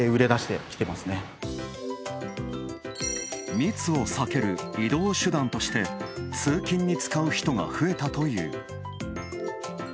密を避ける移動手段として通勤に使う人が増えたという。